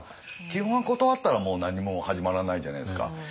基本は断ったらもう何も始まらないじゃないですか。